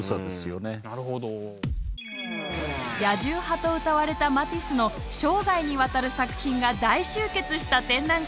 「野獣派」とうたわれたマティスの生涯にわたる作品が大集結した展覧会。